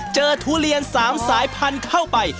เจอทุเรียน๓สายพันเข้าไป